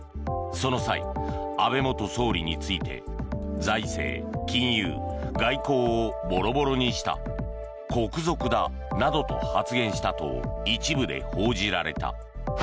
その際、安倍元総理について財政、金融、外交をぼろぼろにした国賊だなどと発言したと一部で報じられた。